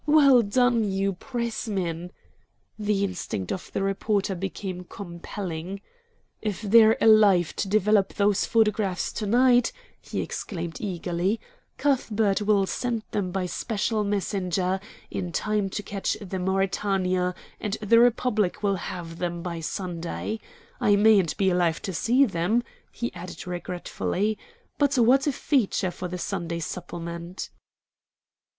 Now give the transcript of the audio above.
"Well done, you Pressmen!" The instinct of the reporter became compelling. "If they're alive to develop those photographs to night," he exclaimed eagerly, "Cuthbert will send them by special messenger, in time to catch the MAURETANIA and the REPUBLIC will have them by Sunday. I mayn't be alive to see them," he added regretfully, "but what a feature for the Sunday supplement!"